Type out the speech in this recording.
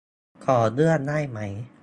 ขอเลื่อนได้ไหม